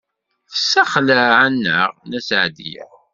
Tessexleɛ-aneɣ Nna Seɛdiya.